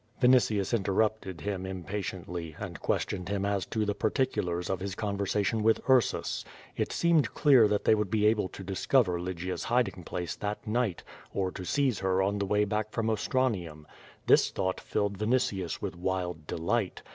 Vinitius interrupted him impatiently, and questioned him as to the particulars of his conversation with Ursus. It seemed clear that they would be able to discover Lygia's hiding place that night, or to seize her on the way back horn Ostranium. This thought filled Vinitius with wild delight.